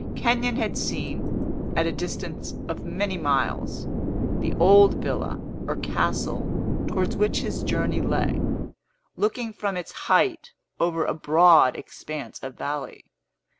Kenyon had seen, at a distance of many miles, the old villa or castle towards which his journey lay, looking from its height over a broad expanse of valley.